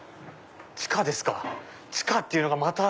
地下ですか地下っていうのがまた何か。